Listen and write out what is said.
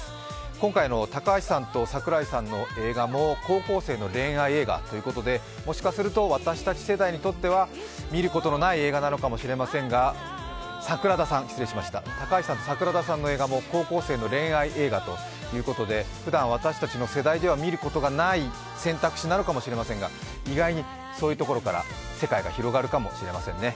今回の高橋さんと桜田さんの映画も高校生の恋愛映画ということでもしかすると私たち世代にとっては見ることのない映画かもしれませんが、高橋さんと桜田さんの映画も高校生の恋愛映画でございましてふだん私たちの世代では見ることのない選択肢なのかもしれませんが意外に、そういうところから世界が広がるかもしれませんね。